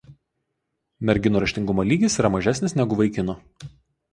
Merginų raštingumo lygis yra mažesnis negu vaikinų.